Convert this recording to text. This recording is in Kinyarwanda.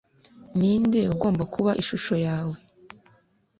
Ninde ugomba kuba ishusho yawe